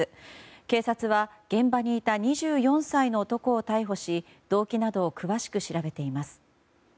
警察は現場にいた２４歳の男を逮捕し動機などを詳しく調べています。